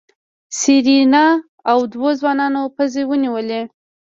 سېرېنا او دوو ځوانانو پزې ونيولې.